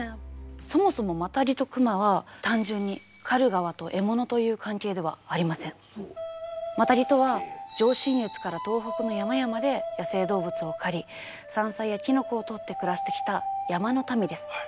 そもそもマタギと熊は単純にマタギとは上信越から東北の山々で野生動物を狩り山菜やきのこをとって暮らしてきた山の民です。